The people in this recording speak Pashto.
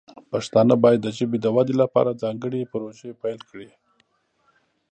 پښتانه باید د ژبې د ودې لپاره ځانګړې پروژې پیل کړي.